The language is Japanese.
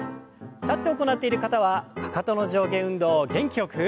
立って行っている方はかかとの上下運動を元気よく。